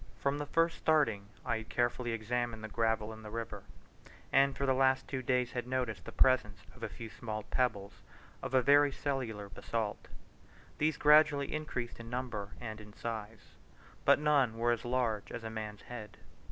From the first starting I had carefully examined the gravel in the river, and for the two last days had noticed the presence of a few small pebbles of a very cellular basalt. These gradually increased in number and in size, but none were as large as a man's head.